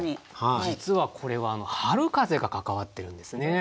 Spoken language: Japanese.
実はこれは春風が関わってるんですね。